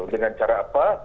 dengan cara apa